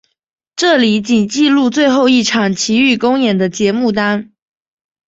这里仅记录最后一场琦玉公演的节目单。